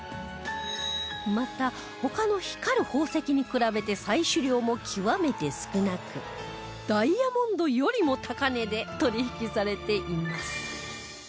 また他の光る宝石に比べて採取量も極めて少なくダイヤモンドよりも高値で取引されています